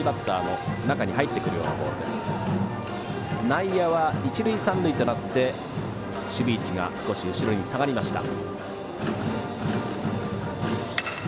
内野は一塁三塁となって守備位置が少し後ろに下がりました。